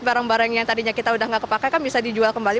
barang barang yang tadinya kita udah nggak kepakai kan bisa dijual kembali